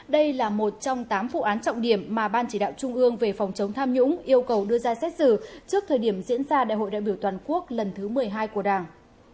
đây là một trong tám vụ án trọng điểm mà ban chỉ đạo trung ương về phòng chống tham nhũng yêu cầu đưa ra xét xử trước thời điểm diễn ra đại hội đại biểu toàn quốc lần thứ một mươi hai của đảng